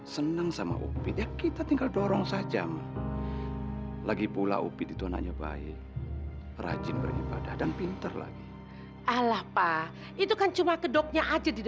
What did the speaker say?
sampai jumpa di video selanjutnya